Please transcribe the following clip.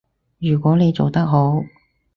如果你做得好